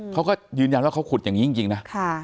เขาก็ยืนยันว่าเขาขุดอย่างนี้จริงนะ